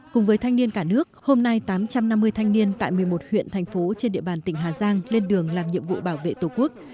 cùng với thanh niên cả nước hôm nay tám trăm năm mươi thanh niên tại một mươi một huyện thành phố trên địa bàn tỉnh hà giang lên đường làm nhiệm vụ bảo vệ tổ quốc